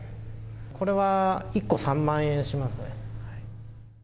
これは１個３万円しますね。